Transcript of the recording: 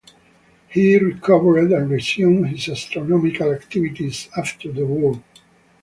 He recovered and resumed his astronomical activities after the war.